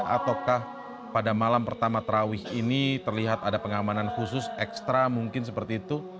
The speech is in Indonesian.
ataukah pada malam pertama tarawih ini terlihat ada pengamanan khusus ekstra mungkin seperti itu